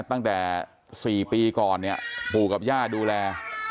ตั้งแต่๔ปีก่อนเนี่ยปู่กับย่าดูแล